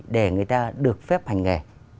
để người ta được phép hành nghề